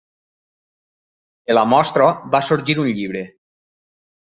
De la mostra, va sorgir un llibre.